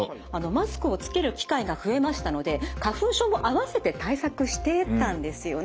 マスクをつける機会が増えましたので花粉症も併せて対策してたんですよね。